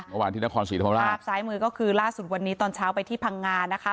ภาพซ้ายมือก็คือล่าสุดวันนี้ตอนเช้าไปที่พังงานะคะ